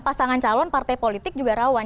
pasangan calon partai politik juga rawan